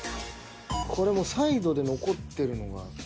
これもうサイドで残ってるのが。